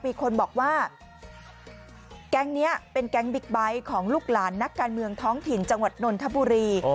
มีคนบอกว่าแก๊งนี้เป็นแก๊งบิ๊กไบท์ของลูกหลานนักการเมืองท้องถิ่นจังหวัดนนทบุรี